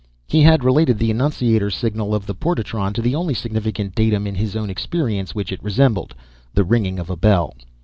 He had related the annunciator signal of the portatron to the only significant datum in his own experience which it resembled, the ringing of a bell.